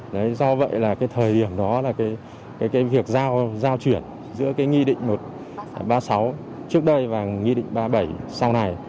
đấy do vậy là cái thời điểm đó là cái việc giao chuyển giữa cái nghị định một trăm ba mươi sáu trước đây và nghị định ba mươi bảy sau này